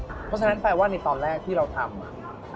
เพราะฉะนั้นแปลว่าในตอนแรกที่เราทำ